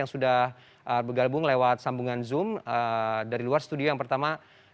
yang sudah bergabung lewat sambungan zoom dari luar studio yang pertama